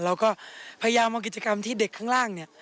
เราก็พยายามเอากิจกรรมที่เด็กข้างล่างเนี่ย